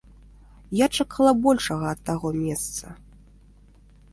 Я чакала большага ад таго месца.